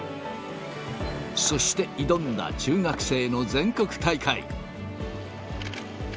そして挑んだ中学生の全国大会。